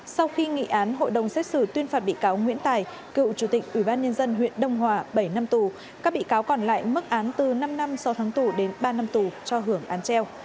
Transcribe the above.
sau khi nghị án hội đồng xét xử tuyên phạt bị cáo nguyễn tài cựu chủ tịch ủy ban nhân dân huyện đông hòa bảy năm tù các bị cáo còn lại mức án từ năm năm sau tháng tù đến ba năm tù cho hưởng án treo